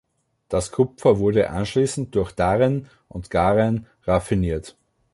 Das Kupfer wurde anschließend durch Darren und Garen raffiniert.